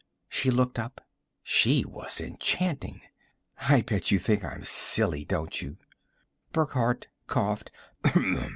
She looked up. She was enchanting. "I bet you think I'm silly, don't you?" Burckhardt coughed.